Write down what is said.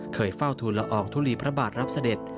เคยเฝ้าทูลละอองทุลีพระบาทรับเสด็จ